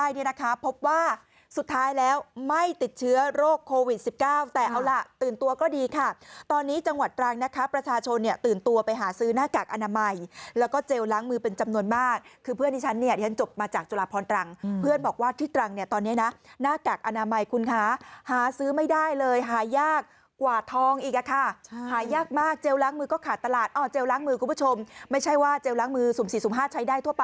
ตอนนี้นะคะพบว่าสุดท้ายแล้วไม่ติดเชื้อโรคโควิด๑๙แต่เอาล่ะตื่นตัวก็ดีค่ะตอนนี้จังหวัดตรังนะครับประชาชนเนี่ยตื่นตัวไปหาซื้อหน้ากากอนามัยแล้วก็เจลล้างมือเป็นจำนวนมากคือเพื่อนที่ฉันเนี่ยจบมาจากจุฬาพรตรังเพื่อนบอกว่าที่ตรังเนี่ยตอนนี้นะหน้ากากอนามัยคุณค้าหาซื้อไม่ได้เลยหายากกว่าทองอี